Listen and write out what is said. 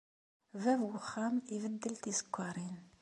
Bab n wexxam ibeddel tisekkaṛin.